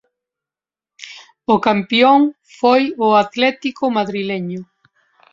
O campión foi o Atlético Madrileño.